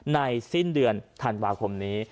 สิ้นเดือนธันวาคมนี้